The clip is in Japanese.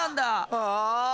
ああ。